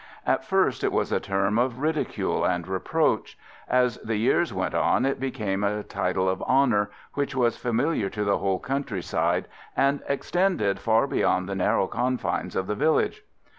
At first it was a term of ridicule and reproach; as the years went on it became a title of honour which was familiar to the whole country side, and extended far beyond the narrow confines of the village.